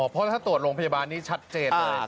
เพราะถ้าตรวจโรงพยาบาลนี้ชัดเจนเลย